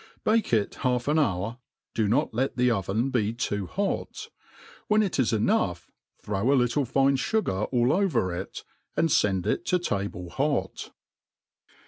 Bake it half an hour, do ndt let the oven be too hot; when it is enough, throw a little fine fugar all over it^ and fend it to table hot.